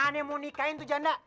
aneh mau nikahin tuh janda